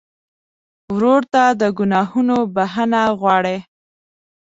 ورور ته د ګناهونو بخښنه غواړې.